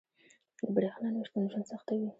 • د برېښنا نه شتون ژوند سختوي.